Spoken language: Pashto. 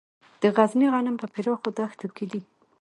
د غزني غنم په پراخو دښتو کې دي.